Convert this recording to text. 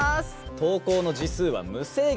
投稿の字数は無制限。